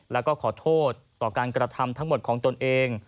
แล้วก็ขอโทษต่อการกระทำทั้งหมดของตนเอง